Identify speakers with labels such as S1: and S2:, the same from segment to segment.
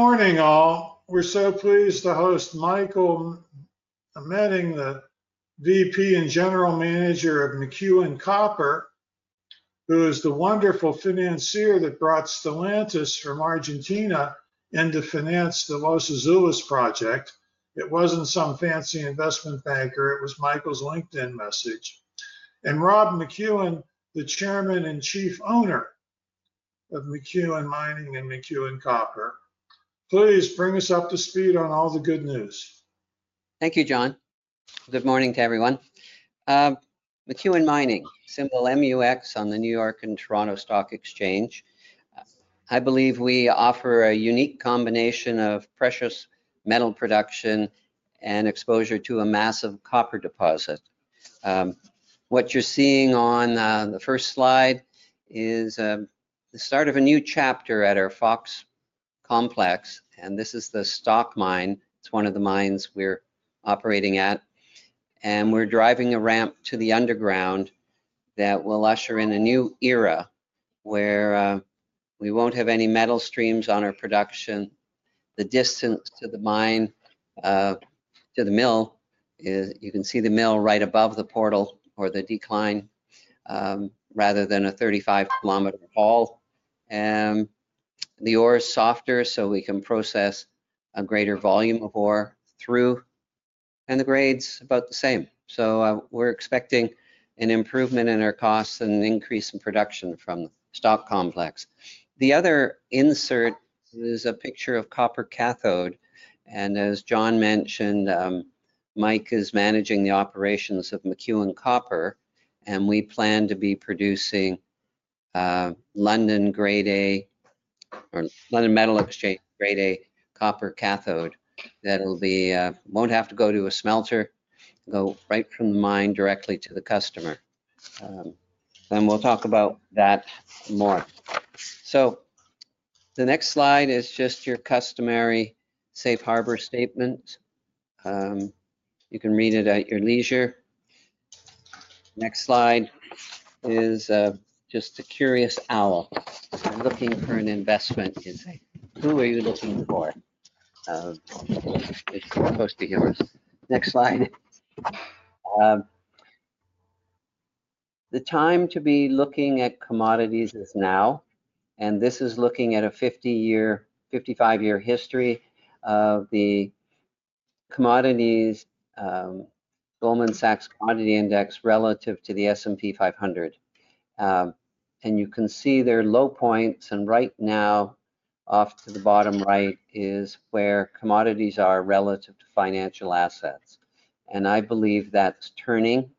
S1: Good morning, all. We're so pleased to host Michael Meding, the VP and General Manager of McEwen Copper, who is the wonderful financier that brought Stellantis from Argentina in to finance the Los Azules project. It wasn't some fancy investment banker. It was Michael's LinkedIn message. Rob McEwen, the Chairman and Chief Owner of McEwen Mining and McEwen Copper. Please bring us up to speed on all the good news.
S2: Thank you, John. Good morning to everyone. McEwen Mining, symbol MUX on the New York and Toronto Stock Exchange. I believe we offer a unique combination of precious metal production and exposure to a massive copper deposit. What you're seeing on the first slide is the start of a new chapter at our Fox Complex, and this is the Stock Mine. It's one of the mines we're operating at. We're driving a ramp to the underground that will usher in a new era where we won't have any metal streams on our production. The distance to the mine, to the mill, you can see the mill right above the portal or the decline rather than a 35 km haul. The ore is softer, so we can process a greater volume of ore through, and the grade's about the same. We're expecting an improvement in our costs and an increase in production from the Stock Complex. The other insert is a picture of copper cathode. As John mentioned, Mike is managing the operations of McEwen Copper, and we plan to be producing London Metal Exchange Grade A copper cathode that won't have to go to a smelter, go right from the mine directly to the customer. We'll talk about that more. The next slide is just your customary safe harbor statement. You can read it at your leisure. Next slide is just a curious owl looking for an investment. Who are you looking for? It's supposed to be yours. Next slide. The time to be looking at commodities is now, and this is looking at a 50-year, 55-year history of the commodities, Goldman Sachs Commodity Index relative to the S&P 500. You can see their low points, and right now off to the bottom right is where commodities are relative to financial assets. I believe that is turning,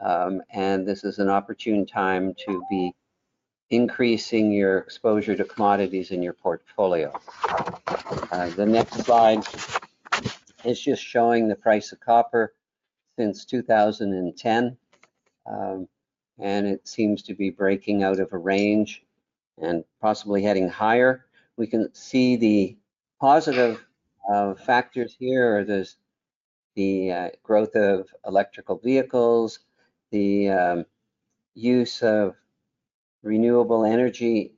S2: and this is an opportune time to be increasing your exposure to commodities in your portfolio. The next slide is just showing the price of copper since 2010, and it seems to be breaking out of a range and possibly heading higher. We can see the positive factors here are the growth of electrical vehicles, the use of renewable energy,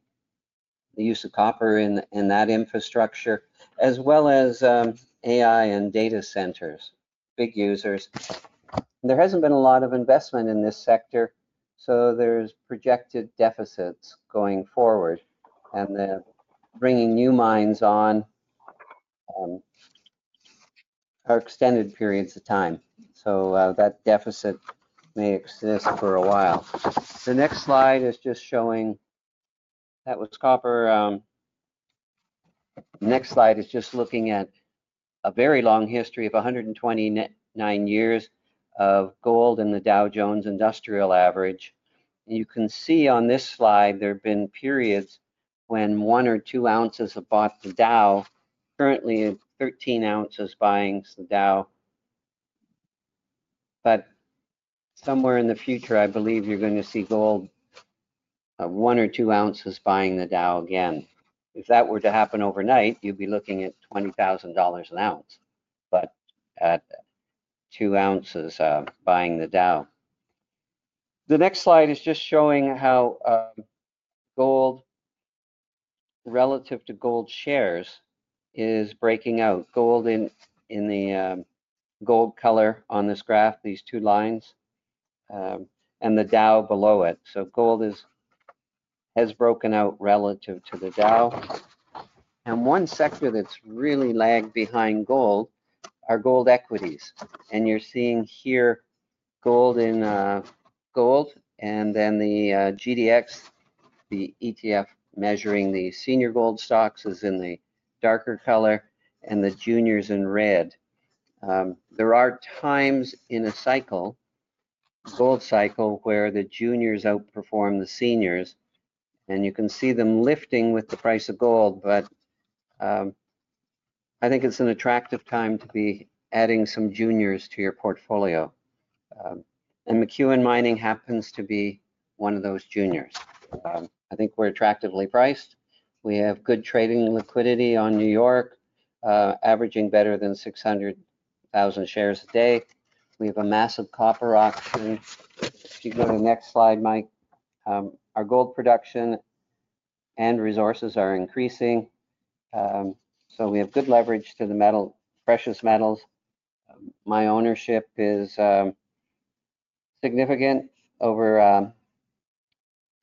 S2: the use of copper in that infrastructure, as well as AI and data centers, big users. There has not been a lot of investment in this sector, so there are projected deficits going forward, and they are bringing new mines on for extended periods of time. That deficit may exist for a while. The next slide is just showing that was copper. The next slide is just looking at a very long history of 129 years of gold in the Dow Jones Industrial Average. You can see on this slide there have been periods when one or two ounces have bought the Dow. Currently, 13 ounces buying the Dow. Somewhere in the future, I believe you're going to see gold of one or two ounces buying the Dow again. If that were to happen overnight, you'd be looking at $20,000 an ounce, at two ounces buying the Dow. The next slide is just showing how gold relative to gold shares is breaking out. Gold in the gold color on this graph, these two lines, and the Dow below it. Gold has broken out relative to the Dow. One sector that's really lagged behind gold are gold equities. You're seeing here gold in gold, and then the GDX, the ETF measuring the senior gold stocks, is in the darker color, and the juniors in red. There are times in a cycle, gold cycle, where the juniors outperform the seniors, and you can see them lifting with the price of gold. I think it's an attractive time to be adding some juniors to your portfolio. McEwen Mining happens to be one of those juniors. I think we're attractively priced. We have good trading liquidity on New York, averaging better than 600,000 shares a day. We have a massive copper auction. If you go to the next slide, Mike, our gold production and resources are increasing, so we have good leverage to the precious metals. My ownership is significant, over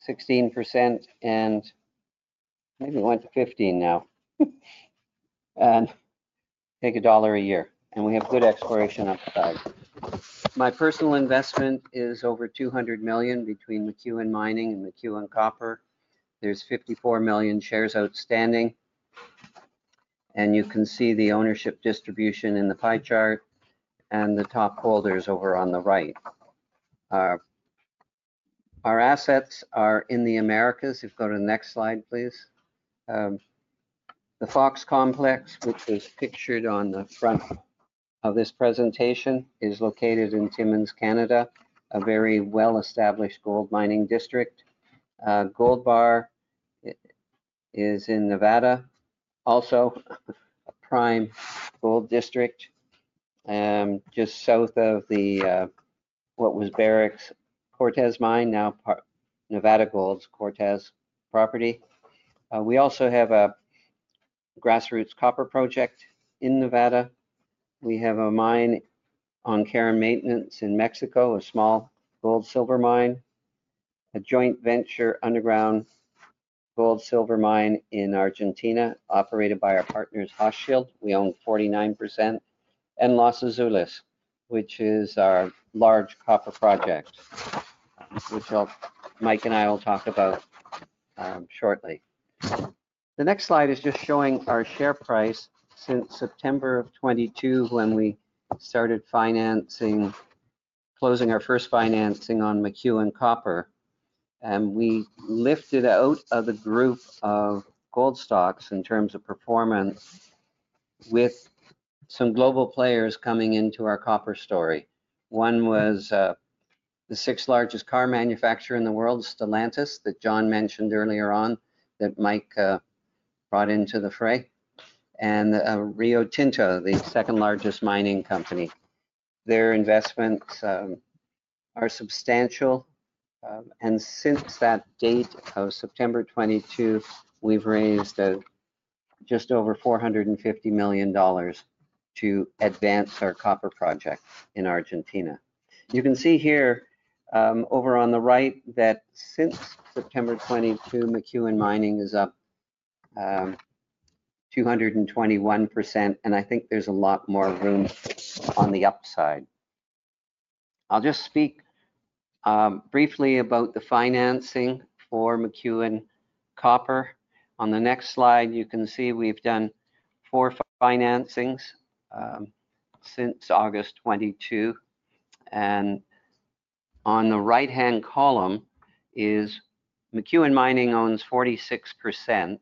S2: 16%, and maybe went to 15% now, and take a dollar a year. We have good exploration upside. My personal investment is over $200 million between McEwen Mining and McEwen Copper. There are 54 million shares outstanding, and you can see the ownership distribution in the pie chart and the top holders over on the right. Our assets are in the Americas. If you go to the next slide, please. The Fox Complex, which is pictured on the front of this presentation, is located in Timmins, Canada, a very well-established gold mining district. Gold Bar is in Nevada, also a prime gold district, just south of what was Barrick's Cortez Mine, now Nevada Gold Mines' Cortez property. We also have a grassroots copper project in Nevada. We have a mine on care and maintenance in Mexico, a small gold-silver mine, a joint venture underground gold-silver mine in Argentina operated by our partners, Hochschild. We own 49% and Los Azules, which is our large copper project, which Mike and I will talk about shortly. The next slide is just showing our share price since September of 2022 when we started financing, closing our first financing on McEwen Copper. We lifted out of the group of gold stocks in terms of performance with some global players coming into our copper story. One was the sixth largest car manufacturer in the world, Stellantis, that John mentioned earlier on that Mike brought into the fray, and Rio Tinto, the second largest mining company. Their investments are substantial. Since that date of September 2022, we have raised just over $450 million to advance our copper project in Argentina. You can see here over on the right that since September 2022, McEwen Mining is up 221%, and I think there is a lot more room on the upside. I'll just speak briefly about the financing for McEwen Copper. On the next slide, you can see we've done four financings since August 2022. On the right-hand column is McEwen Mining owns 46%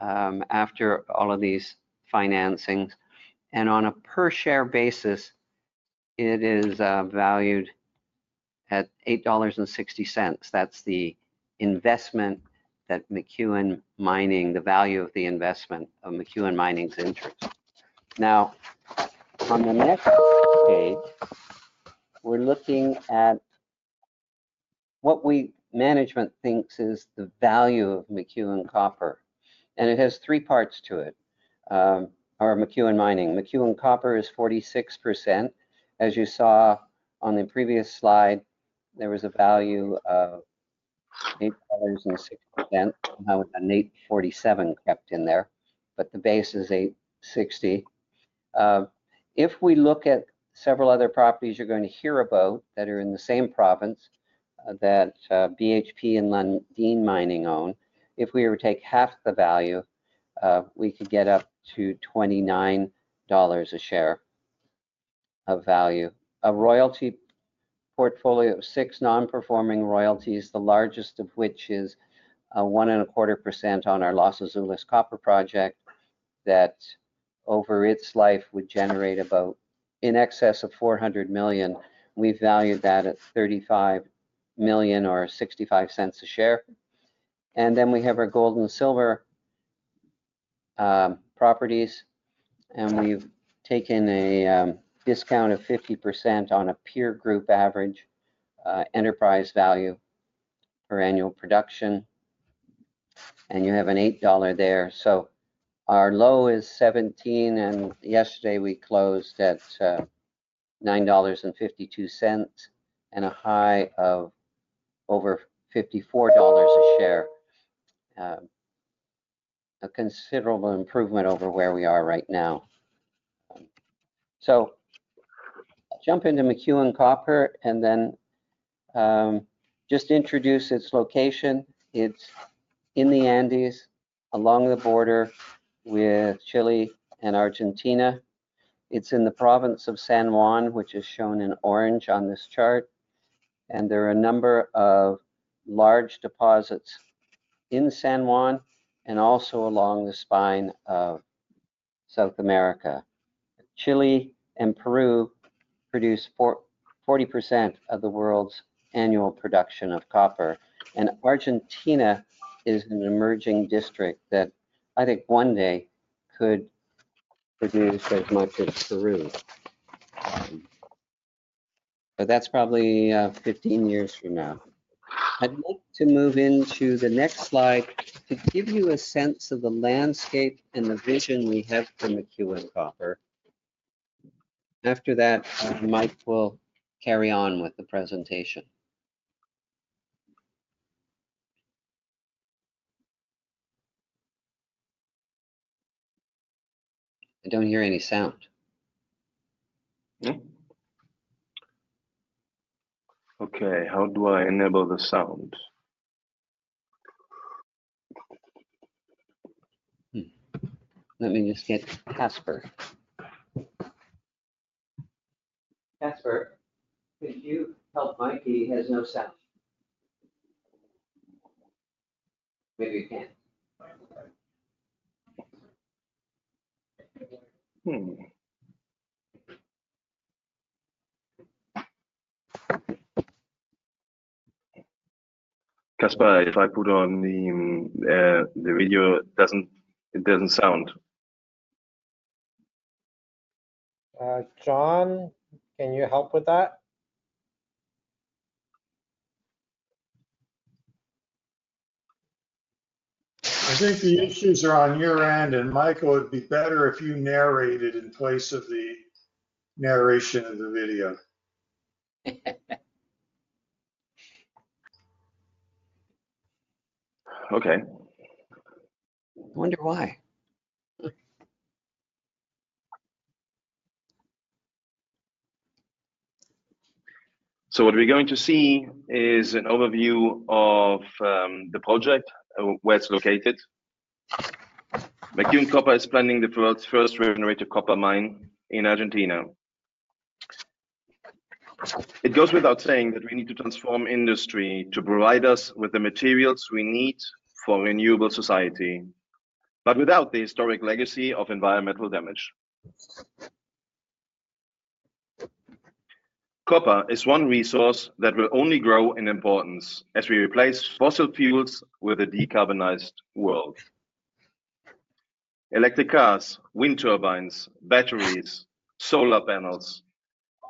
S2: after all of these financings. On a per-share basis, it is valued at $8.60. That's the investment that McEwen Mining, the value of the investment of McEwen Mining's interest. Now, on the next page, we're looking at what management thinks is the value of McEwen Copper. It has three parts to it, or McEwen Mining. McEwen Copper is 46%. As you saw on the previous slide, there was a value of $8.60, and $8.47 kept in there, but the base is $8.60. If we look at several other properties you're going to hear about that are in the same province that BHP and Lundin Mining own, if we were to take half the value, we could get up to $29 a share of value. A royalty portfolio of six non-performing royalties, the largest of which is 1.25% on our Los Azules copper project that over its life would generate about in excess of $400 million. We've valued that at $35 million or $0.65 a share. We have our gold and silver properties, and we've taken a discount of 50% on a peer group average enterprise value per annual production. You have an $8 there. Our low is $17, and yesterday we closed at $9.52 and a high of over $54 a share. A considerable improvement over where we are right now. I'll jump into McEwen Copper and then just introduce its location. It's in the Andes, along the border with Chile and Argentina. It's in the province of San Juan, which is shown in orange on this chart. There are a number of large deposits in San Juan and also along the spine of South America. Chile and Peru produce 40% of the world's annual production of copper. Argentina is an emerging district that I think one day could produce as much as Peru. That's probably 15 years from now. I'd like to move into the next slide to give you a sense of the landscape and the vision we have for McEwen Copper. After that, Mike will carry on with the presentation. I don't hear any sound. Okay.
S3: How do I enable the sound?
S2: Let me just get Casper. Casper, could you help Mike? He has no sound. Maybe you can.
S3: Casper, if I put on the video, it doesn't sound.
S2: John, can you help with that? I think the issues are on your end, and Mike would be better if you narrated in place of the narration of the video. Okay. I wonder why.
S3: What we're going to see is an overview of the project, where it's located. McEwen Copper is planning the first revenue-rated copper mine in Argentina. It goes without saying that we need to transform industry to provide us with the materials we need for a renewable society, but without the historic legacy of environmental damage. Copper is one resource that will only grow in importance as we replace fossil fuels with a decarbonized world. Electric cars, wind turbines, batteries, solar panels,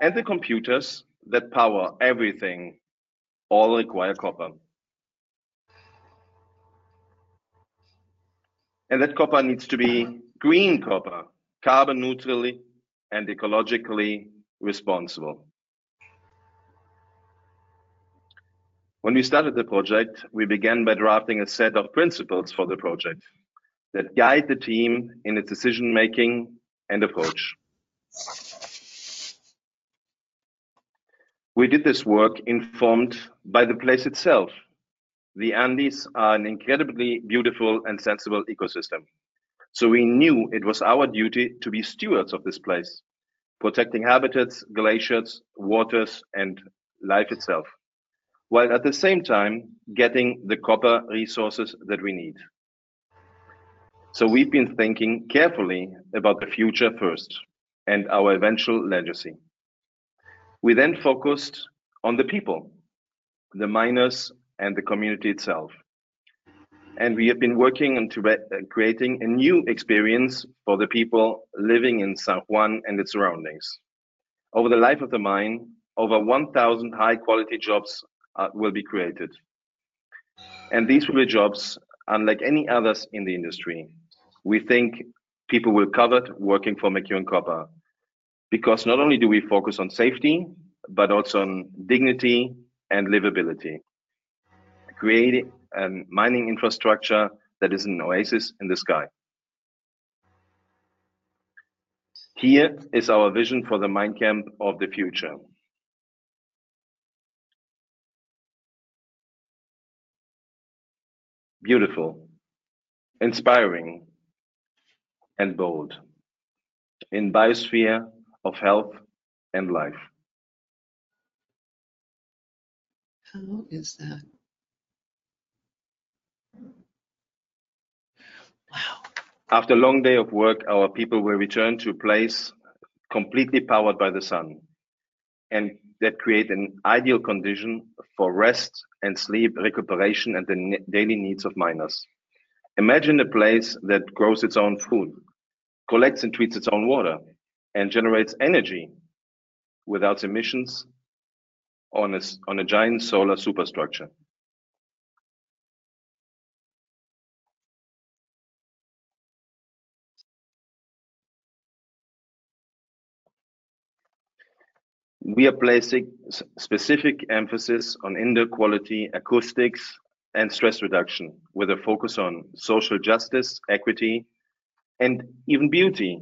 S3: and the computers that power everything all require copper. That copper needs to be green copper, carbon-neutrally and ecologically responsible. When we started the project, we began by drafting a set of principles for the project that guide the team in its decision-making and approach. We did this work informed by the place itself. The Andes are an incredibly beautiful and sensible ecosystem. We knew it was our duty to be stewards of this place, protecting habitats, glaciers, waters, and life itself, while at the same time getting the copper resources that we need. We have been thinking carefully about the future first and our eventual legacy. We then focused on the people, the miners, and the community itself. We have been working on creating a new experience for the people living in San Juan and its surroundings. Over the life of the mine, over 1,000 high-quality jobs will be created. These will be jobs unlike any others in the industry. We think people will covet working for McEwen Copper because not only do we focus on safety, but also on dignity and livability, creating a mining infrastructure that is an oasis in the sky. Here is our vision for the mine camp of the future. Beautiful, inspiring, and bold. A biosphere of health and life.
S4: How is that? Wow.
S3: After a long day of work, our people will return to a place completely powered by the sun and that creates an ideal condition for rest and sleep, recuperation, and the daily needs of miners. Imagine a place that grows its own food, collects and treats its own water, and generates energy without emissions on a giant solar superstructure. We are placing specific emphasis on indoor quality, acoustics, and stress reduction, with a focus on social justice, equity, and even beauty.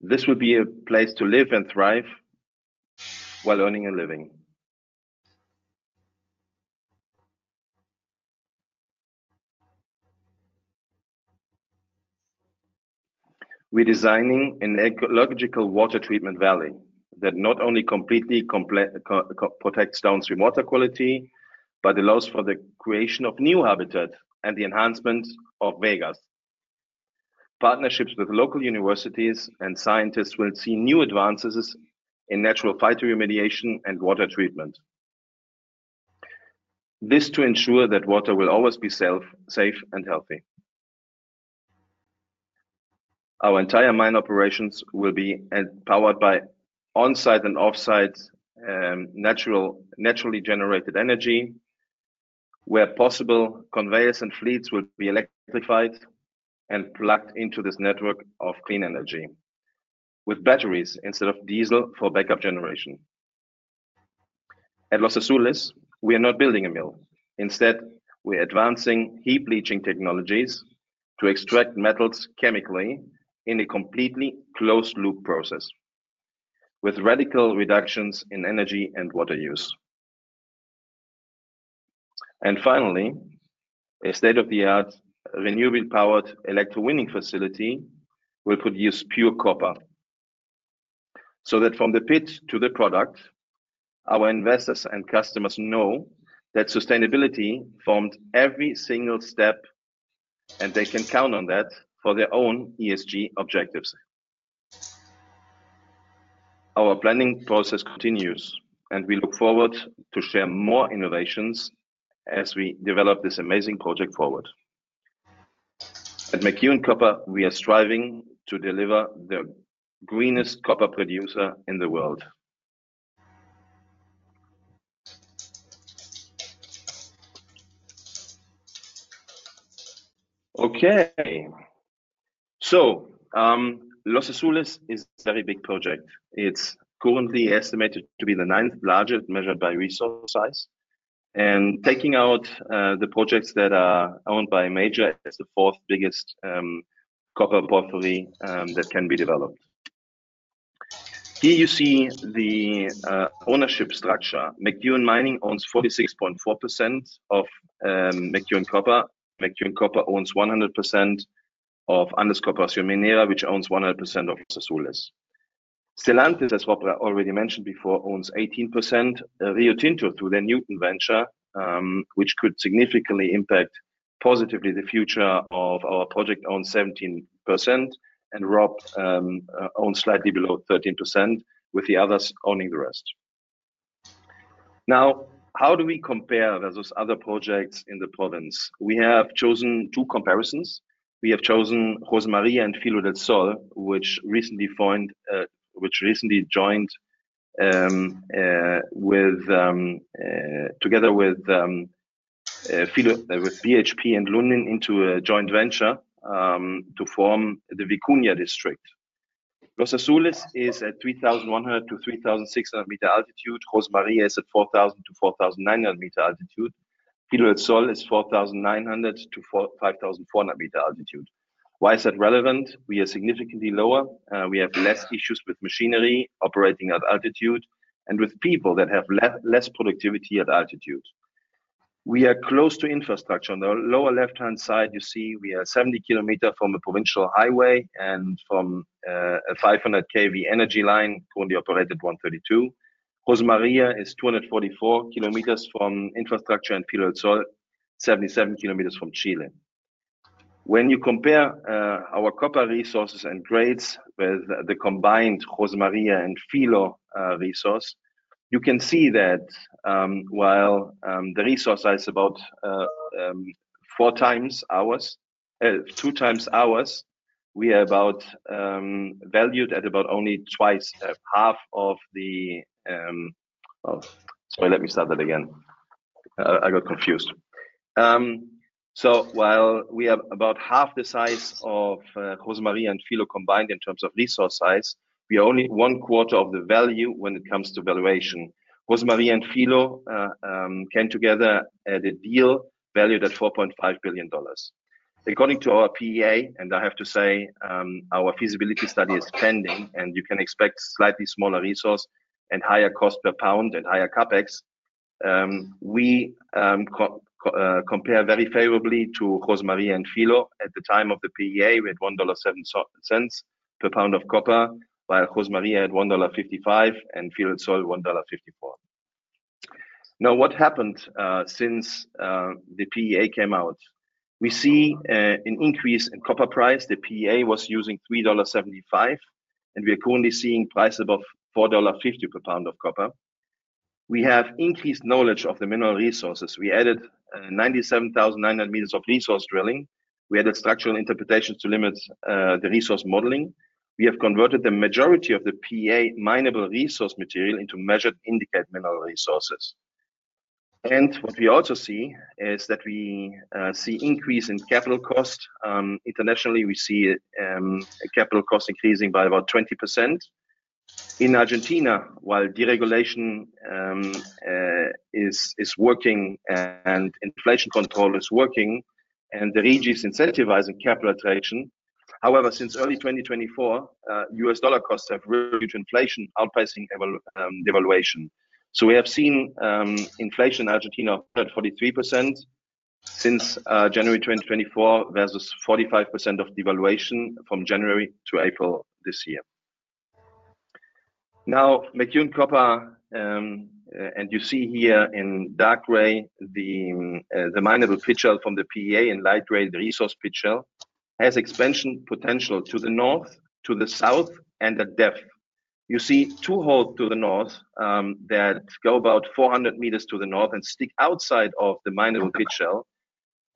S3: This will be a place to live and thrive while earning a living. We're designing an ecological water treatment valley that not only completely protects downstream water quality, but allows for the creation of new habitat and the enhancement of vegas. Partnerships with local universities and scientists will see new advances in natural phytoremediation and water treatment. This is to ensure that water will always be safe and healthy. Our entire mine operations will be powered by onsite and offsite naturally generated energy. Where possible, conveyors and fleets will be electrified and plugged into this network of clean energy with batteries instead of diesel for backup generation. At Los Azules, we are not building a mill. Instead, we're advancing heap leaching technologies to extract metals chemically in a completely closed-loop process with radical reductions in energy and water use. Finally, a state-of-the-art renewably powered electrowinning facility will produce pure copper so that from the pit to the product, our investors and customers know that sustainability forms every single step, and they can count on that for their own ESG objectives. Our planning process continues, and we look forward to sharing more innovations as we develop this amazing project forward. At McEwen Copper, we are striving to deliver the greenest copper producer in the world. Okay. Los Azules is a very big project. It is currently estimated to be the ninth largest measured by resource size. Taking out the projects that are owned by a major, it is the fourth biggest copper porphyry that can be developed. Here you see the ownership structure. McEwen Mining owns 46.4% of McEwen Copper. McEwen Copper owns 100% of Andes Copper Ciervenera, which owns 100% of Los Azules. Stellantis, as Rob already mentioned before, owns 18%. Rio Tinto through their Nuton venture, which could significantly impact positively the future of our project, owns 17%. Rob owns slightly below 13%, with the others owning the rest. Now, how do we compare versus other projects in the province? We have chosen two comparisons. We have chosen José María and Filo del Sol, which recently joined together with BHP and Lundin into a joint venture to form the Vicuña District. Los Azules is at 3,100 m -3,600 m altitude. José María is at 4,000 m-4,900 m altitude. Filo del Sol is 4,900 m-5,400 m altitude. Why is that relevant? We are significantly lower. We have less issues with machinery operating at altitude and with people that have less productivity at altitude. We are close to infrastructure. On the lower left-hand side, you see we are 70 km from a provincial highway and from a 500-kV energy line currently operated 132. José María is 244 km from infrastructure and Filo del Sol, 77 km from Chile. When you compare our copper resources and grades with the combined José María and Filo resource, you can see that while the resource size is about 2x, we are valued at about only half of the—sorry, let me start that again. I got confused. So while we have about half the size of José María and Filo combined in terms of resource size, we are only one quarter of the value when it comes to valuation. José María and Filo came together at a deal valued at $4.5 billion. According to our PEA, and I have to say our feasibility study is pending, and you can expect slightly smaller resource and higher cost per pound and higher CapEx. We compare very favorably to José María and Filo. At the time of the PEA, we had $1.07 per pound of copper, while José María had $1.55 and Filo del Sol $1.54. Now, what happened since the PEA came out? We see an increase in copper price. The PEA was using $3.75, and we are currently seeing prices above $4.50 per pound of copper. We have increased knowledge of the mineral resources. We added 97,900 m of resource drilling. We added structural interpretations to limit the resource modeling. We have converted the majority of the PEA minable resource material into measured indicated mineral resources. What we also see is that we see an increase in capital cost. Internationally, we see capital costs increasing by about 20%. In Argentina, while deregulation is working and inflation control is working, and the REGI is incentivizing capital attraction. However, since early 2024, US dollar costs have really reached inflation, outpacing devaluation. We have seen inflation in Argentina of 43% since January 2024 versus 45% of devaluation from January to April this year. Now, McEwen Copper, and you see here in dark gray the minable pit shell from the PEA, in light gray, the resource pit shell, has expansion potential to the north, to the south, and at depth. You see two holes to the north that go about 400 m to the north and stick outside of the minable pit shell,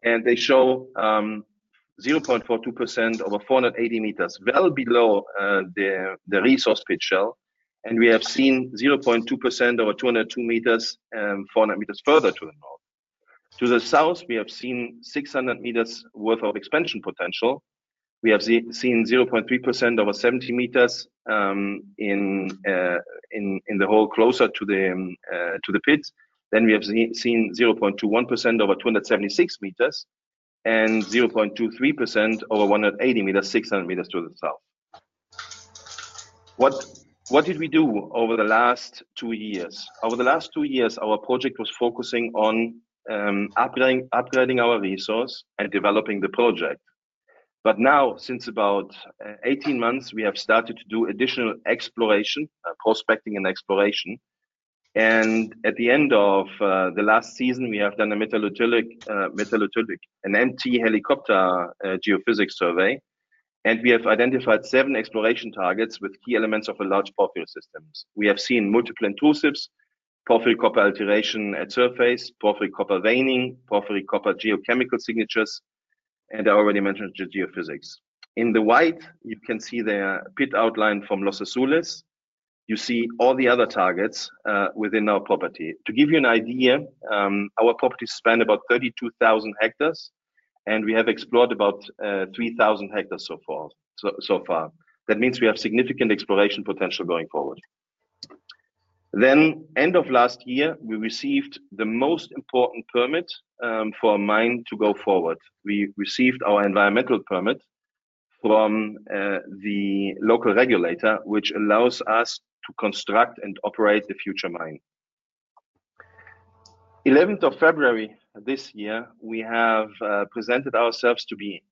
S3: and they show 0.42% over 480 m, well below the resource pit shell. We have seen 0.2% over 20 2m, 400 m further to the north. To the south, we have seen 600 m worth of expansion potential. We have seen 0.3% over 70 m in the hole closer to the pit. We have seen 0.21% over 276 m and 0.23% over 180 m, 600 m to the south. What did we do over the last two years? Over the last two years, our project was focusing on upgrading our resource and developing the project. Now, since about 18 months, we have started to do additional exploration, prospecting, and exploration. At the end of the last season, we have done a metallurgic, an MT helicopter geophysics survey, and we have identified seven exploration targets with key elements of a large porphyry system. We have seen multiple intrusives, porphyry copper alteration at surface, porphyry copper veining, porphyry copper geochemical signatures, and I already mentioned geophysics. In the white, you can see the pit outline from Los Azules. You see all the other targets within our property. To give you an idea, our property spanned about 32,000 hectares, and we have explored about 3,000 hectares so far. That means we have significant exploration potential going forward. End of last year, we received the most important permit for a mine to go forward. We received our environmental permit from the local regulator, which allows us to construct and operate the future mine. 11th of February this year, we have presented ourselves to be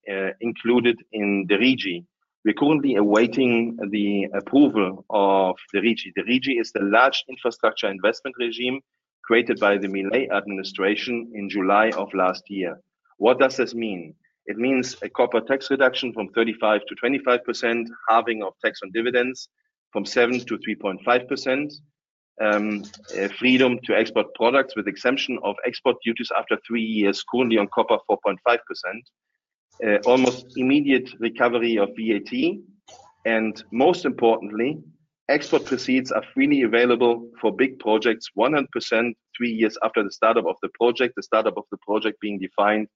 S3: included in the REGI. We are currently awaiting the approval of the REGI. The REGI is the large infrastructure investment regime created by the Milei administration in July of last year. What does this mean? It means a copper tax reduction from 35%-25%, halving of tax on dividends from 7%-3.5%, freedom to export products with exemption of export duties after three years, currently on copper 4.5%, almost immediate recovery of VAT, and most importantly, export proceeds are freely available for big projects 100% three years after the startup of the project, the startup of the project being defined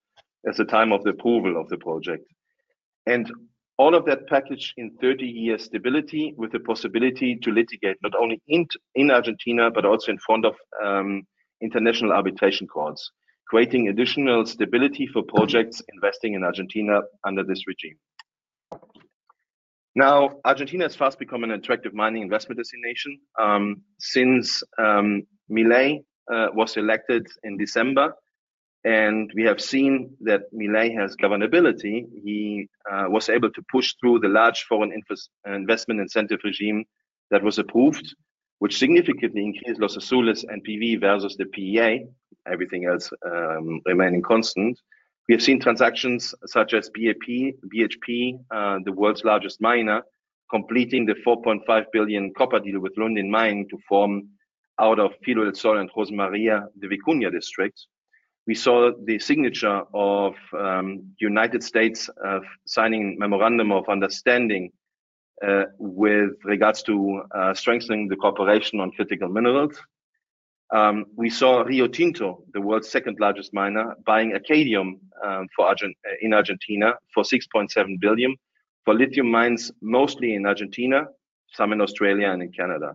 S3: as the time of the approval of the project. All of that is packaged in 30-year stability with the possibility to litigate not only in Argentina but also in front of International Arbitration Courts, creating additional stability for projects investing in Argentina under this regime. Now, Argentina has fast become an attractive mining investment destination since Milei was elected in December, and we have seen that Milei has governability. He was able to push through the large foreign investment incentive regime that was approved, which significantly increased Los Azules and PV versus the PEA. Everything else remained constant. We have seen transactions such as BHP, the world's largest miner, completing the $4.5 billion copper deal with Lundin Mining to form out of Filo del sol and José María the Vicuña District. We saw the signature of the United States signing a memorandum of understanding with regards to strengthening the cooperation on critical minerals. We saw Rio Tinto, the world's second largest miner, buying Rincón in Argentina for $6.7 billion for lithium mines mostly in Argentina, some in Australia and in Canada.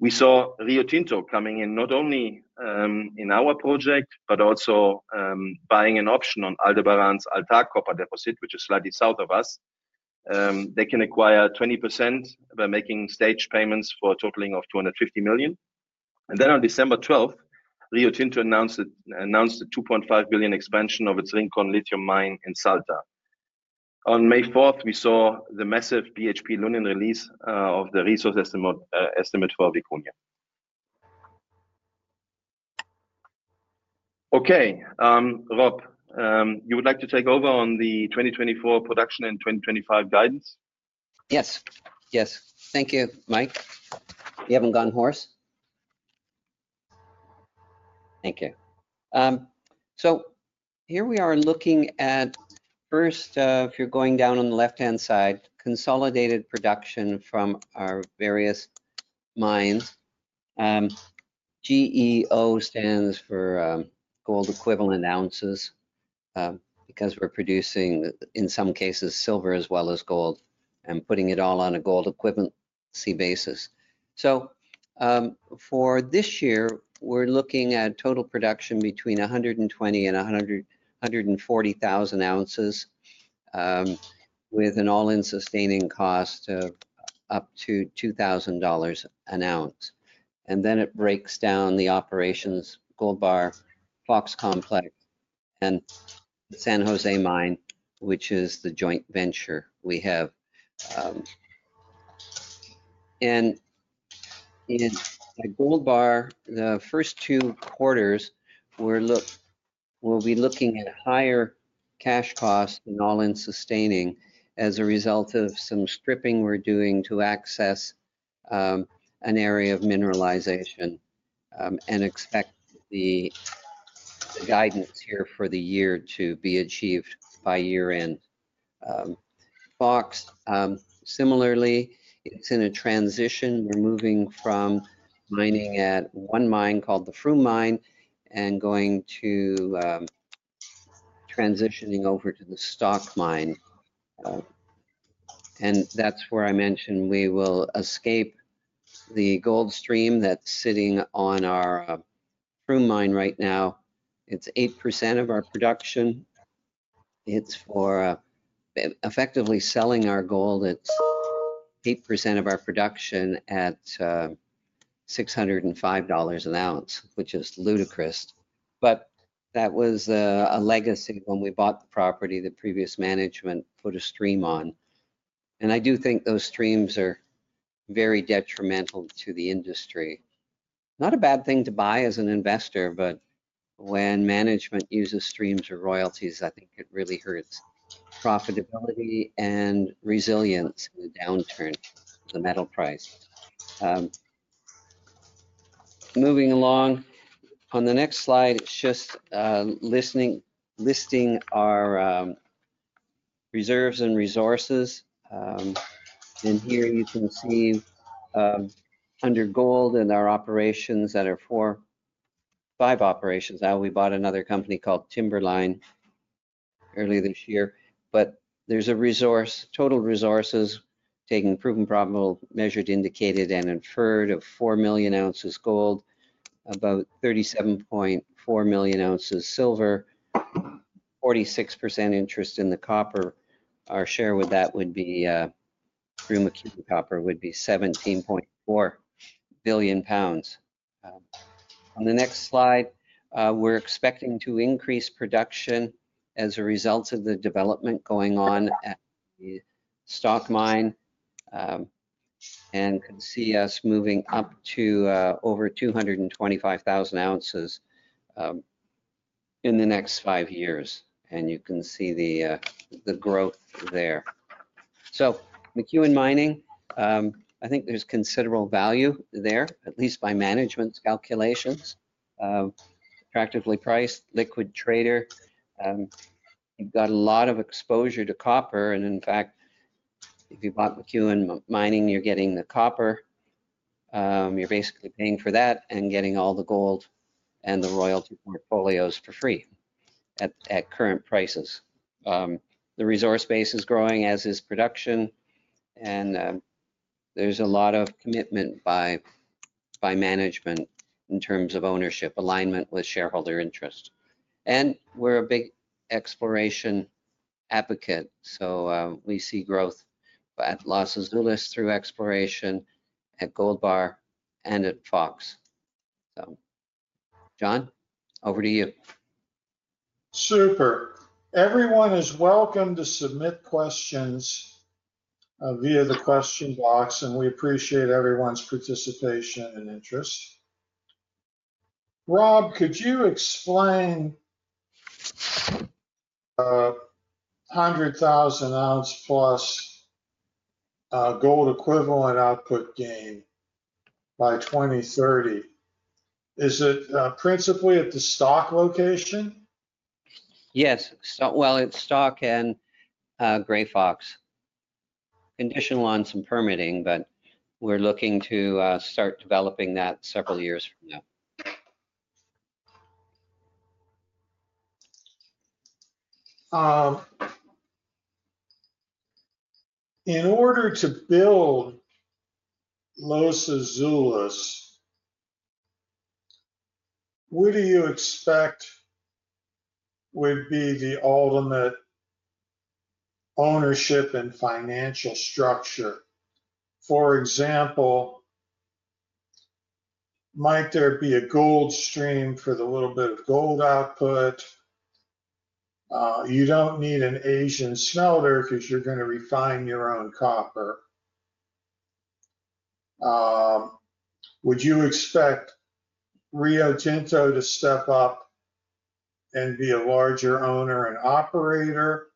S3: We saw Rio Tinto coming in not only in our project but also buying an option on Aldebaran's Altar Copper Deposit, which is slightly south of us. They can acquire 20% by making staged payments for a totaling of $250 million. On December 12th, Rio Tinto announced a $2.5 billion expansion of its Rincón lithium mine in Salta. On May 4th, we saw the massive BHP-Lundin release of the resource estimate for Vicuña. Okay. Rob, you would like to take over on the 2024 production and 2025 guidance?
S2: Yes. Yes. Thank you, Mike. You haven't gone hoarse. Thank you. Here we are looking at first, if you're going down on the left-hand side, consolidated production from our various mines. GEO stands for gold equivalent ounces because we're producing, in some cases, silver as well as gold and putting it all on a gold equivalency basis. For this year, we're looking at total production between 120,000 and 140,000 ounces with an all-in sustaining cost of up to $2,000 an ounce. It breaks down the operations: Gold Bar, Fox Complex, and San José Mine, which is the joint venture we have. In Gold Bar, the first two quarters, we'll be looking at higher cash costs and all-in sustaining as a result of some stripping we're doing to access an area of mineralization and expect the guidance here for the year to be achieved by year-end. Fox, similarly, it's in a transition. We're moving from mining at one mine called the Froome Mine and transitioning over to the Stock Mine. That's where I mentioned we will escape the gold stream that's sitting on our Froome Mine right now. It's 8% of our production. It's for effectively selling our gold. It's 8% of our production at $605 an ounce, which is ludicrous. That was a legacy when we bought the property that previous management put a stream on. I do think those streams are very detrimental to the industry. Not a bad thing to buy as an investor, but when management uses streams or royalties, I think it really hurts profitability and resilience in the downturn of the metal price. Moving along. On the next slide, it is just listing our reserves and resources. Here you can see under gold and our operations that are five operations. We bought another company called Timberline earlier this year. There is a total resources taken proven, probable, measured, indicated, and inferred of 4 million ounces gold, about 37.4 million ounces silver, 46% interest in the copper. Our share with that would be from McEwen Copper would be 17.4 billion pounds. On the next slide, we're expecting to increase production as a result of the development going on at the Stock Mine and could see us moving up to over 225,000 ounces in the next five years. You can see the growth there. McEwen Mining, I think there's considerable value there, at least by management's calculations. Attractively priced, liquid trader. You've got a lot of exposure to copper. In fact, if you bought McEwen Mining, you're getting the copper. You're basically paying for that and getting all the gold and the royalty portfolios for free at current prices. The resource base is growing, as is production. There's a lot of commitment by management in terms of ownership, alignment with shareholder interest. We're a big exploration advocate. We see growth at Los Azules through exploration, at Gold Bar, and at Fox. John, over to you.
S1: Super. Everyone is welcome to submit questions via the question box, and we appreciate everyone's participation and interest. Rob, could you explain 100,000 ounce plus gold equivalent output gain by 2030? Is it principally at the Stock location?
S2: Yes. It is Stock and Grey Fox. Conditional on some permitting, but we are looking to start developing that several years from now.
S1: In order to build Los Azules, what do you expect would be the ultimate ownership and financial structure? For example, might there be a gold stream for the little bit of gold output? You do not need an Asian smelter because you are going to refine your own copper. Would you expect Rio Tinto to step up and be a larger owner and operator?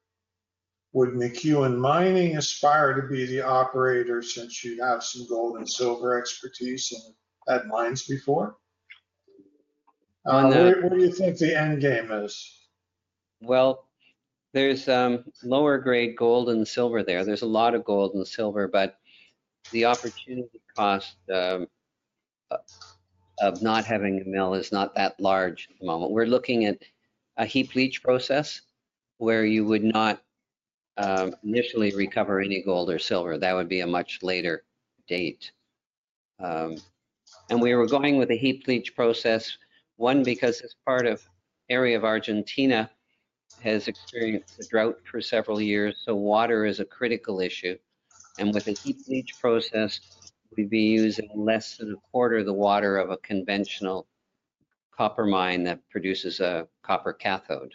S1: Would McEwen Mining aspire to be the operator since you have some gold and silver expertise in that mines before? What do you think the end game is?
S2: There is lower-grade gold and silver there. There is a lot of gold and silver, but the opportunity cost of not having a mill is not that large at the moment. We are looking at a heap leach process where you would not initially recover any gold or silver. That would be at a much later date. We are going with a heap leach process, one, because this part of Argentina has experienced a drought for several years. Water is a critical issue. With a heap leach process, we would be using less than a quarter of the water of a conventional copper mine that produces a copper cathode.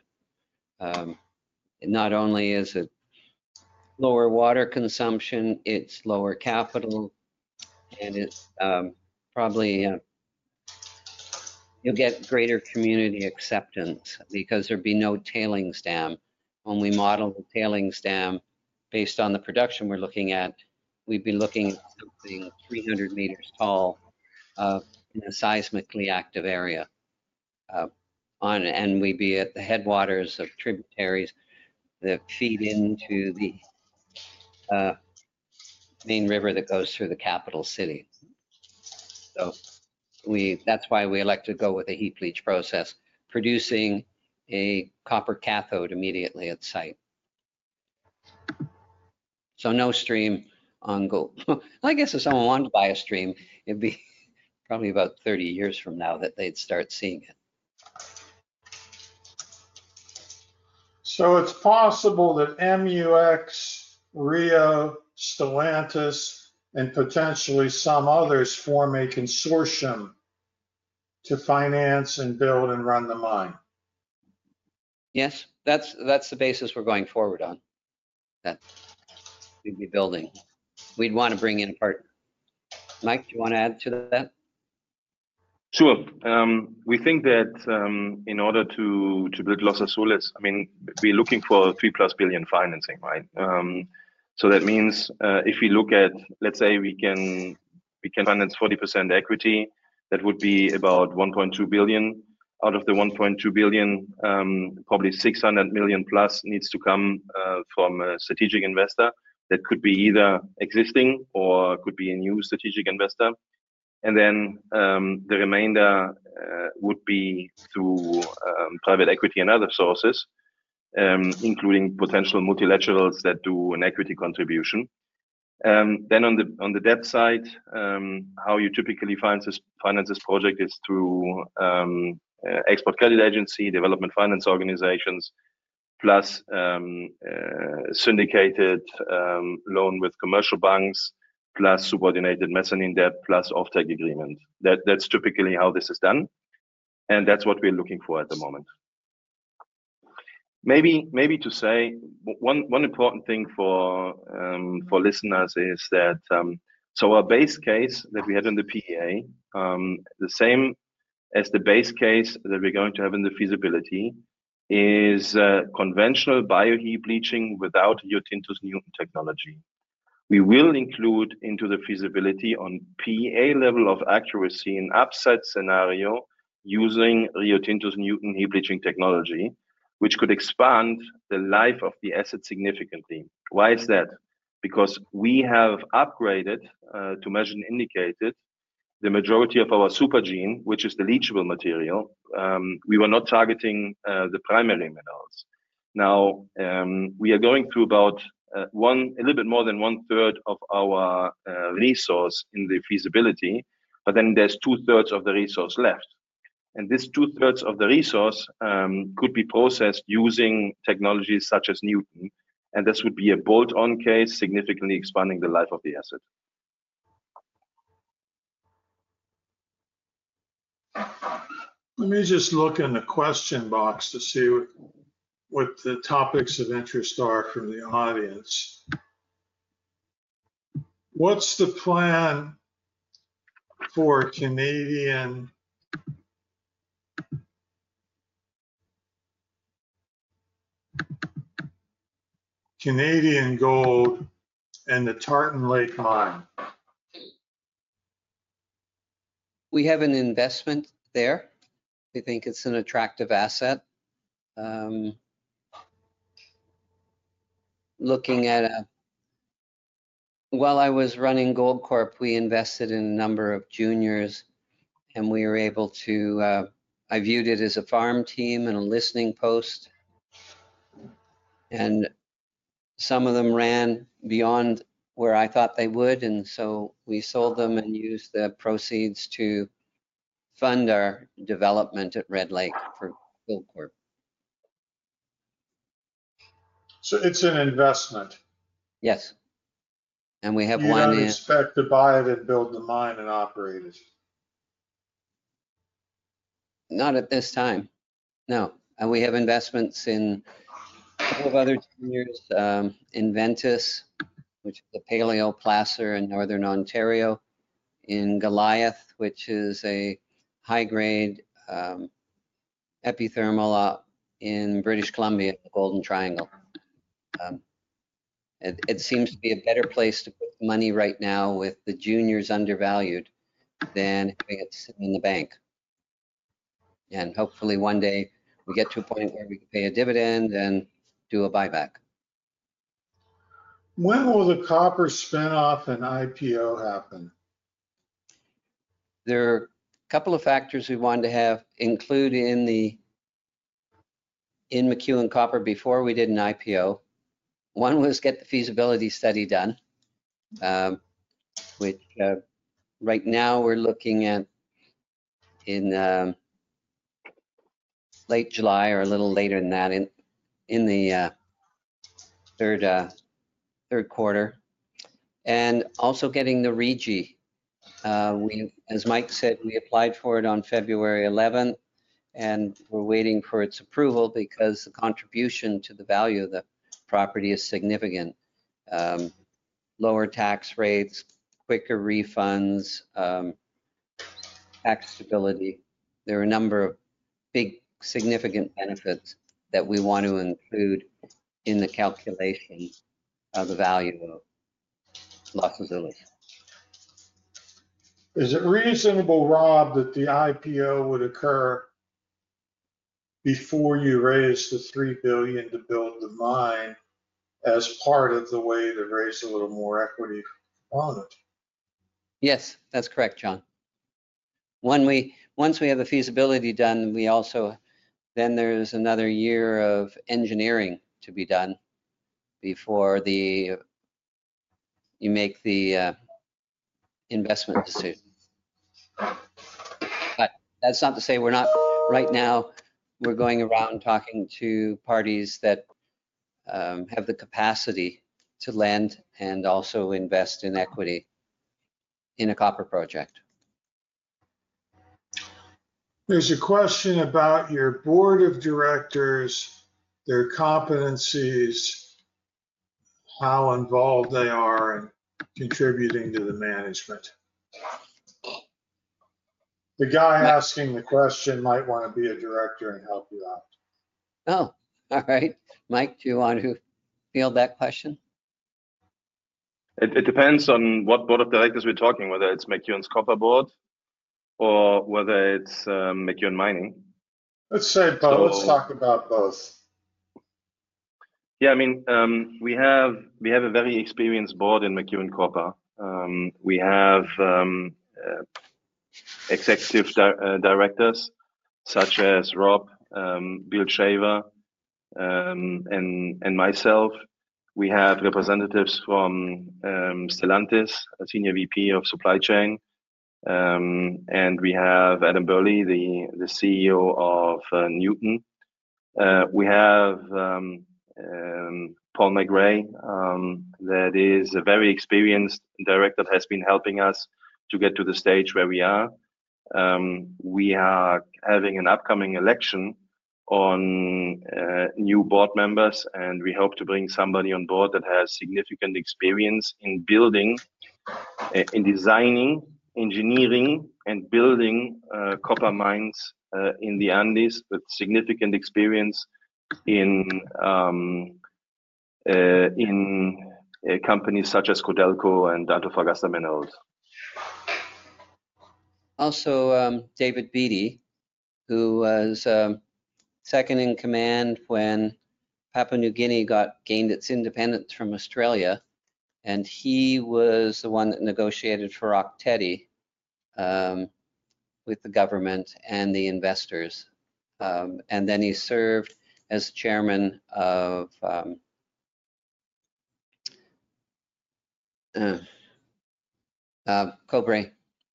S2: Not only is it lower water consumption, it is lower capital, and probably you will get greater community acceptance because there would be no tailings dam. When we model the tailings dam based on the production we're looking at, we'd be looking at something 300m tall in a seismically active area. We'd be at the headwaters of tributaries that feed into the main river that goes through the capital city. That is why we elected to go with a heap leach process, producing a copper cathode immediately at site. No stream on gold. I guess if someone wanted to buy a stream, it'd be probably about 30 years from now that they'd start seeing it.
S1: It's possible that MUX, Rio, Stellantis, and potentially some others form a consortium to finance and build and run the mine?
S2: Yes. That's the basis we're going forward on that we'd be building. We'd want to bring in a partner. Mike, do you want to add to that?
S3: Sure. We think that in order to build Los Azules, I mean, we're looking for $3 billion+ financing, right? That means if we look at, let's say we can finance 40% equity, that would be about $1.2 billion. Out of the $1.2 billion, probably $600 million+ needs to come from a strategic investor. That could be either existing or could be a new strategic investor. The remainder would be through private equity and other sources, including potential multilaterals that do an equity contribution. On the debt side, how you typically finance this project is through export credit agency, development finance organizations, plus syndicated loan with commercial banks, plus subordinated mezzanine debt, plus off-take agreement. That is typically how this is done. That is what we're looking for at the moment. Maybe to say one important thing for listeners is that our base case that we had in the PEA, the same as the base case that we're going to have in the feasibility, is conventional BioHeap leaching without Rio Tinto's new technology. We will include into the feasibility on PEA level of accuracy an upside scenario using Rio Tinto's new heap leaching technology, which could expand the life of the asset significantly. Why is that? Because we have upgraded to measured and indicated the majority of our supergene, which is the leachable material. We were not targeting the primary minerals. Now, we are going through about a little bit more than one-third of our resource in the feasibility, but then there's two-thirds of the resource left. These two-thirds of the resource could be processed using technologies such as Nuton. This would be a bolt-on case, significantly expanding the life of the asset.
S1: Let me just look in the question box to see what the topics of interest are from the audience. What's the plan for Canadian Gold and the Tartan Lake mine?
S2: We have an investment there. We think it's an attractive asset. While I was running Goldcorp, we invested in a number of juniors, and I viewed it as a farm team and a listening post. Some of them ran beyond where I thought they would, and we sold them and used the proceeds to fund our development at Red Lake for Goldcorp.
S1: It's an investment?
S2: Yes. We have one in.
S1: You expect to buy it and build the mine and operate it?
S2: Not at this time. No. We have investments in a couple of other juniors, Inventus, which is a Paleoplacer in northern Ontario, in Goliath, which is a high-grade epithermal in British Columbia, the Golden Triangle. It seems to be a better place to put the money right now with the juniors undervalued than having it sit in the bank. Hopefully, one day, we get to a point where we can pay a dividend and do a buyback.
S1: When will the copper spinoff and IPO happen?
S2: There are a couple of factors we wanted to have included in McEwen Copper before we did an IPO. One was get the feasibility study done, which right now we're looking at in late July or a little later than that in the third quarter. Also getting the REGI. As Mike said, we applied for it on February 11th, and we're waiting for its approval because the contribution to the value of the property is significant. Lower tax rates, quicker refunds, tax stability. There are a number of big, significant benefits that we want to include in the calculation of the value of Los Azules.
S1: Is it reasonable, Rob, that the IPO would occur before you raise the $3 billion to build the mine as part of the way to raise a little more equity on it?
S2: Yes. That's correct, John. Once we have the feasibility done, then there's another year of engineering to be done before you make the investment decision. That's not to say we're not right now, we're going around talking to parties that have the capacity to lend and also invest in equity in a copper project.
S1: There's a question about your board of directors, their competencies, how involved they are in contributing to the management. The guy asking the question might want to be a director and help you out.
S2: Oh, all right. Mike, do you want to field that question?
S3: It depends on what board of directors we're talking, whether it's McEwen Copper board or whether it's McEwen Mining.
S1: Let's say both. Let's talk about both.
S3: Yeah. I mean, we have a very experienced board in McEwen Copper. We have executive directors such as Rob, Bill Shaver, and myself. We have representatives from Stellantis, a Senior VP of supply chain. We have Adam Burley, the CEO of Nuton. We have Paul McGuinness, that is a very experienced director that has been helping us to get to the stage where we are. We are having an upcoming election on new board members, and we hope to bring somebody on board that has significant experience in building, in designing, engineering, and building copper mines in the Andes, with significant experience in companies such as Codelco and Antofagasta Minerals.
S2: Also, David Beatty, who was second in command when Papua New Guinea gained its independence from Australia. He was the one that negotiated for Ok Tedi with the government and the investors. He served as chairman of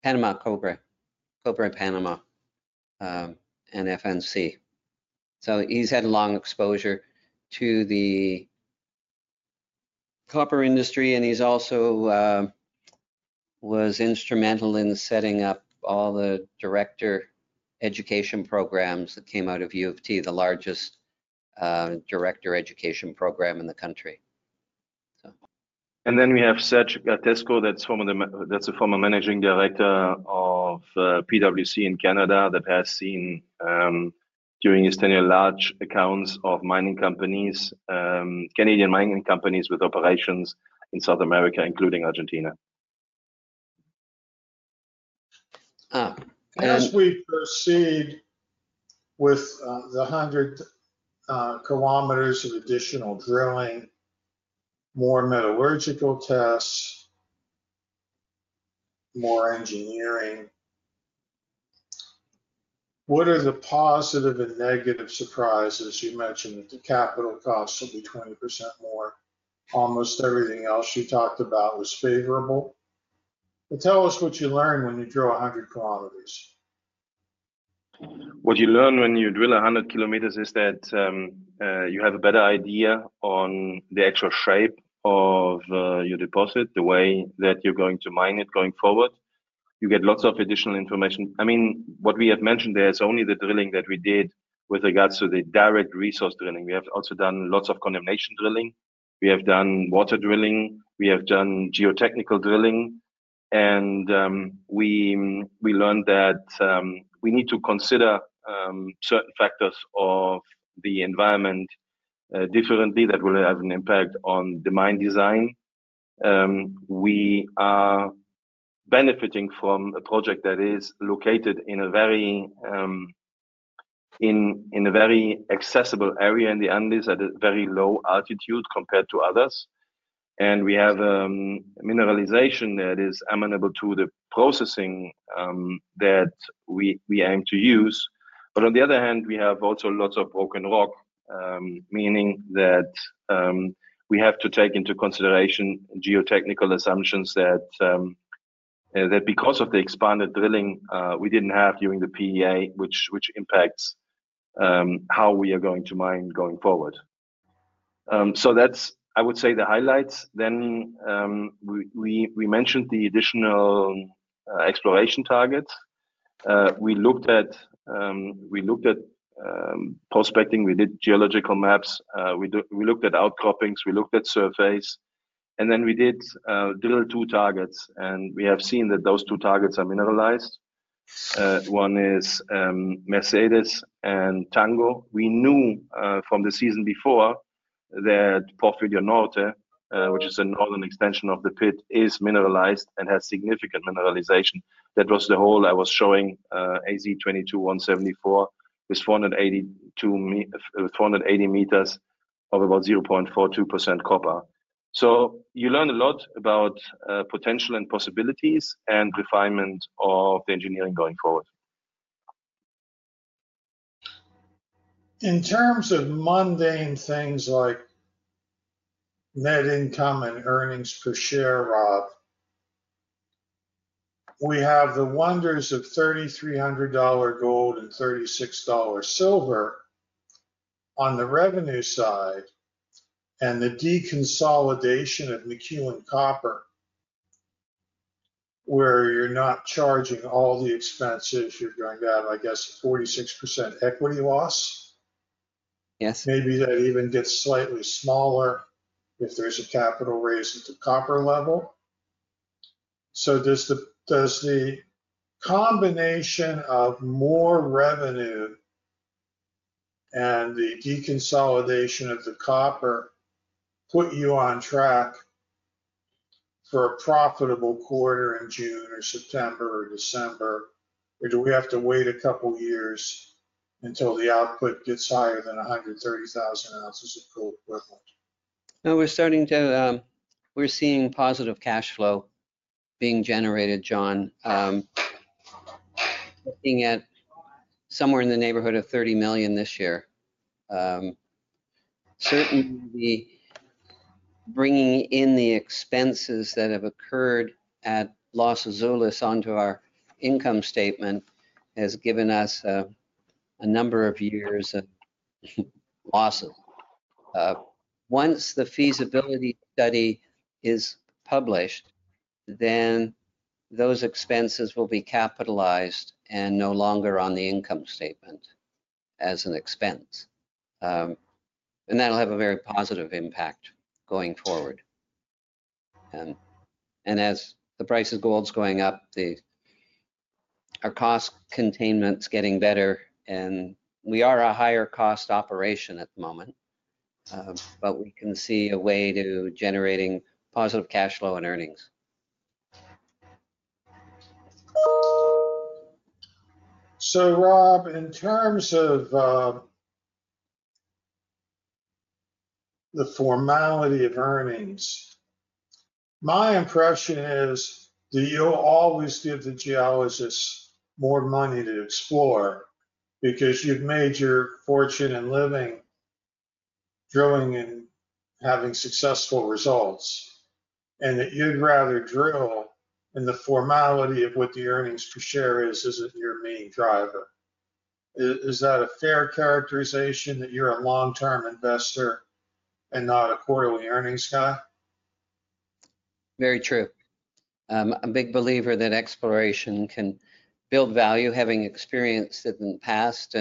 S2: Panama Copper, Panama and FNC. He has had a long exposure to the copper industry, and he also was instrumental in setting up all the director education programs that came out of U of T, the largest director education program in the country.
S3: We have Serge Gloutnay, that's a former managing director of PwC in Canada that has seen during his tenure large accounts of Canadian mining companies with operations in South America, including Argentina.
S1: As we proceed with the 100 km of additional drilling, more metallurgical tests, more engineering, what are the positive and negative surprises? You mentioned that the capital costs will be 20% more. Almost everything else you talked about was favorable. Tell us what you learned when you drill 100 km.
S3: What you learn when you drill 100 km is that you have a better idea on the actual shape of your deposit, the way that you're going to mine it going forward. You get lots of additional information. I mean, what we have mentioned there is only the drilling that we did with regards to the direct resource drilling. We have also done lots of condemnation drilling. We have done water drilling. We have done geotechnical drilling. We learned that we need to consider certain factors of the environment differently that will have an impact on the mine design. We are benefiting from a project that is located in a very accessible area in the Andes at a very low altitude compared to others. We have mineralization that is amenable to the processing that we aim to use. On the other hand, we have also lots of broken rock, meaning that we have to take into consideration geotechnical assumptions that because of the expanded drilling, we did not have during the PEA, which impacts how we are going to mine going forward. I would say the highlights are that we mentioned the additional exploration targets. We looked at prospecting. We did geological maps. We looked at outcroppings. We looked at surface. We did drill two targets. We have seen that those two targets are mineralized. One is Mercedes and Tango. We knew from the season before that Porphyria Norte, which is a northern extension of the pit, is mineralized and has significant mineralization. That was the hole I was showing, AZ22174, with 480 meters of about 0.42% copper. You learn a lot about potential and possibilities and refinement of the engineering going forward.
S1: In terms of mundane things like net income and earnings per share, Rob, we have the wonders of $3,300 gold and $36 silver on the revenue side and the deconsolidation of McEwen Copper, where you're not charging all the expenses. You're going to have, I guess, 46% equity loss.
S2: Yes.
S1: Maybe that even gets slightly smaller if there is a capital raise at the copper level. Does the combination of more revenue and the deconsolidation of the copper put you on track for a profitable quarter in June or September or December? Or do we have to wait a couple of years until the output gets higher than 130,000 ounces of gold equivalent?
S2: We're seeing positive cash flow being generated, John, looking at somewhere in the neighborhood of $30 million this year. Certainly, bringing in the expenses that have occurred at Los Azules onto our income statement has given us a number of years of losses. Once the feasibility study is published, then those expenses will be capitalized and no longer on the income statement as an expense. That'll have a very positive impact going forward. As the price of gold's going up, our cost containment's getting better. We are a higher-cost operation at the moment, but we can see a way to generating positive cash flow and earnings.
S1: Rob, in terms of the formality of earnings, my impression is, do you always give the geologists more money to explore because you've made your fortune in living, drilling, and having successful results, and that you'd rather drill in the formality of what the earnings per share is, isn't your main driver? Is that a fair characterization that you're a long-term investor and not a quarterly earnings guy?
S2: Very true. I'm a big believer that exploration can build value, having experienced it in the past.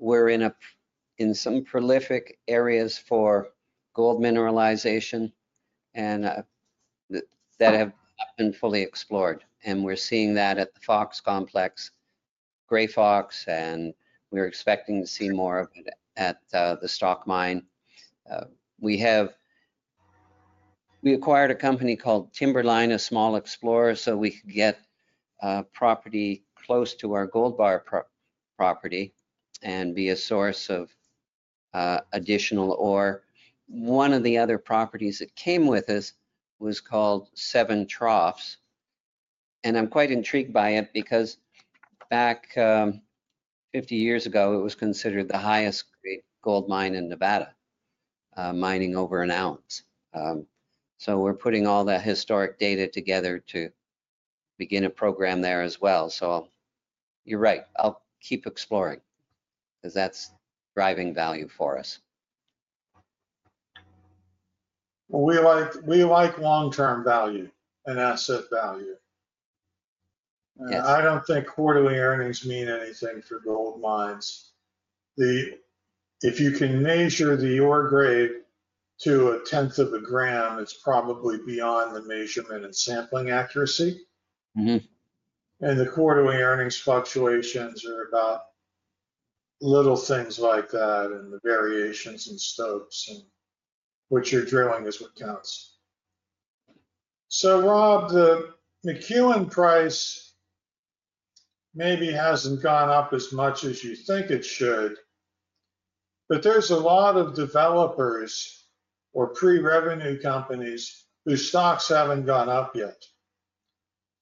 S2: We're in some prolific areas for gold mineralization that have not been fully explored. We're seeing that at the Fox Complex, Grey Fox, and we're expecting to see more of it at the Stock Mine. We acquired a company called Timberline, a small explorer, so we could get property close to our Gold Bar property and be a source of additional ore. One of the other properties that came with us was called Seven Troughs. I'm quite intrigued by it because back 50 years ago, it was considered the highest-grade gold mine in Nevada, mining over an ounce. We're putting all that historic data together to begin a program there as well. You're right. I'll keep exploring because that's driving value for us.
S1: We like long-term value and asset value. I do not think quarterly earnings mean anything for gold mines. If you can measure the ore grade to a tenth of a gram, it is probably beyond the measurement and sampling accuracy. The quarterly earnings fluctuations are about little things like that and the variations in stokes, which your drilling is what counts. Rob, the McEwen price maybe has not gone up as much as you think it should, but there are a lot of developers or pre-revenue companies whose stocks have not gone up yet.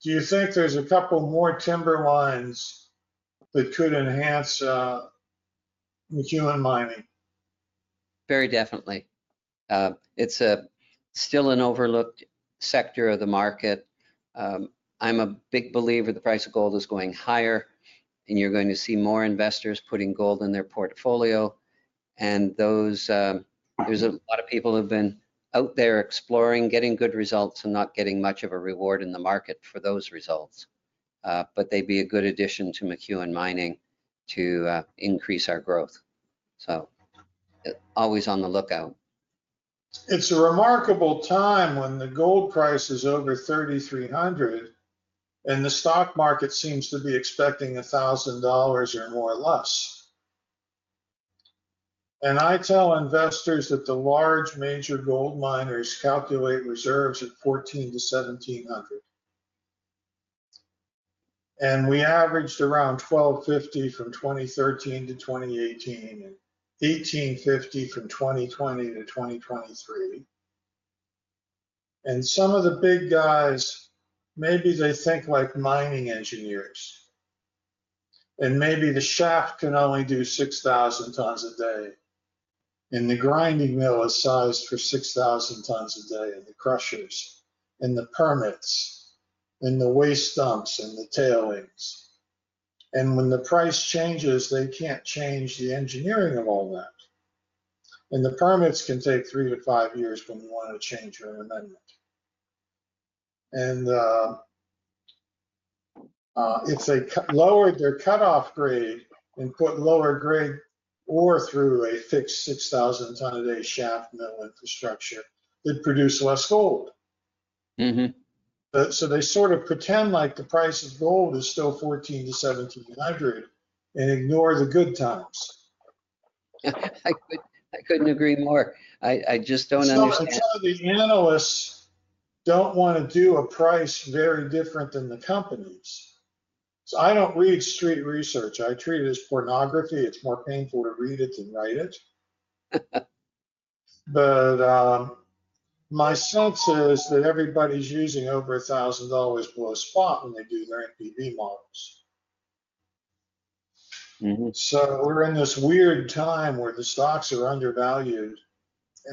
S1: Do you think there are a couple more Timberline Resources that could enhance McEwen Mining?
S2: Very definitely. It is still an overlooked sector of the market. I am a big believer the price of gold is going higher, and you are going to see more investors putting gold in their portfolio. There is a lot of people who have been out there exploring, getting good results and not getting much of a reward in the market for those results. They would be a good addition to McEwen Mining to increase our growth. Always on the lookout.
S1: It's a remarkable time when the gold price is over $3,300, and the stock market seems to be expecting $1,000 or more or less. I tell investors that the large major gold miners calculate reserves at $1,400-$1,700. We averaged around $1,250 from 2013-2018 and $1,850 from 2020-2023. Some of the big guys, maybe they think like mining engineers. Maybe the shaft can only do 6,000 tones a day. The grinding mill is sized for 6,000 tones a day and the crushers and the permits and the waste dumps and the tailings. When the price changes, they can't change the engineering of all that. The permits can take three to five years when you want to change your amendment. If they lowered their cutoff grade and put lower grade ore through a fixed 6,000-ton-a-day shaft mill infrastructure, it'd produce less gold. They sort of pretend like the price of gold is still $1,400-$1,700 and ignore the good times.
S2: I couldn't agree more. I just don't understand.
S1: A lot of the analysts do not want to do a price very different than the companies. I do not read street research. I treat it as pornography. It is more painful to read it than write it. My sense is that everybody is using over $1,000 below spot when they do their NPV models. We are in this weird time where the stocks are undervalued.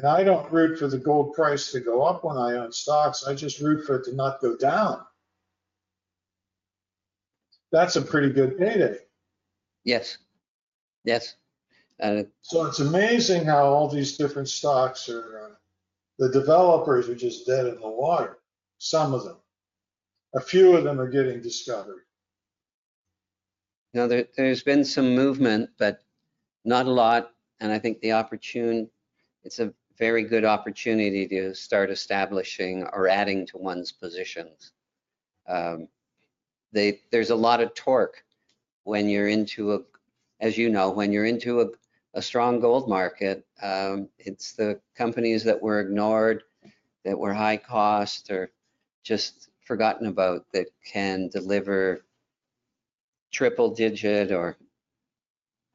S1: I do not root for the gold price to go up when I own stocks. I just root for it to not go down. That is a pretty good payday.
S2: Yes. Yes.
S1: It's amazing how all these different stocks or the developers are just dead in the water, some of them. A few of them are getting discovered.
S2: Now, there's been some movement, but not a lot. I think the opportunity, it's a very good opportunity to start establishing or adding to one's positions. There's a lot of torque when you're into a, as you know, when you're into a strong gold market, it's the companies that were ignored, that were high-cost or just forgotten about that can deliver triple-digit or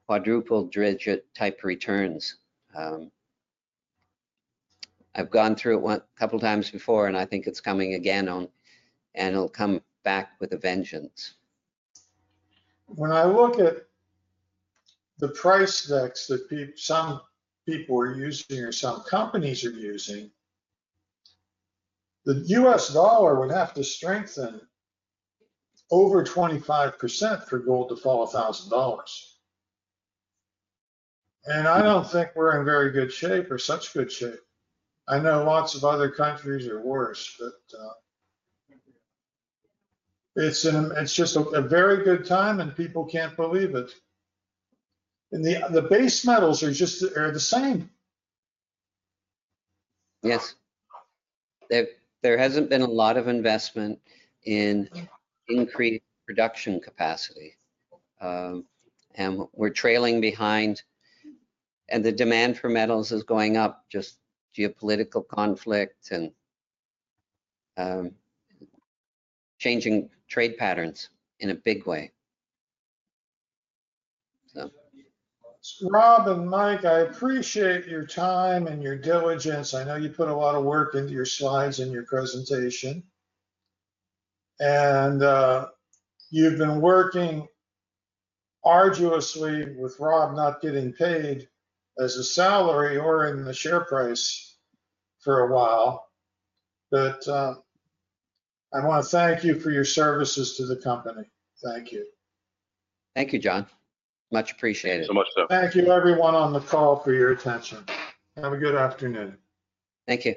S2: quadruple-digit type returns. I've gone through it a couple of times before, and I think it's coming again, and it'll come back with a vengeance.
S1: When I look at the price decks that some people are using or some companies are using, the U.S. dollar would have to strengthen over 25% for gold to fall $1,000. I don't think we're in very good shape or such good shape. I know lots of other countries are worse, but it's just a very good time, and people can't believe it. The base metals are just the same.
S2: Yes. There has not been a lot of investment in increased production capacity. We are trailing behind. The demand for metals is going up, just geopolitical conflict and changing trade patterns in a big way.
S1: Rob and Mike, I appreciate your time and your diligence. I know you put a lot of work into your slides and your presentation. You have been working arduously with Rob not getting paid as a salary or in the share price for a while. I want to thank you for your services to the company. Thank you.
S2: Thank you, John. Much appreciated.
S3: Thank you so much, sir.
S1: Thank you, everyone on the call, for your attention. Have a good afternoon.
S2: Thank you.